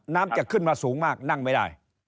น้ำจะขึ้นมาสูงมากนั่งไม่ได้